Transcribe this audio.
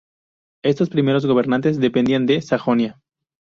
Estos primeros gobernantes dependían de Sajonia.